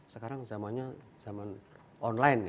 sekarang zamannya zaman online